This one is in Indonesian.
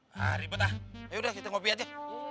nah ribet lah yaudah kita ngopi aja